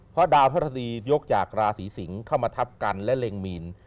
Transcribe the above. เพราะดาวพระราชดียกจากราศีสิงศ์เข้ามาทับกันและเล็งมีน